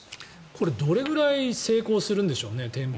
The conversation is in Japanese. これ、どれぐらい成功するんでしょうね、転売。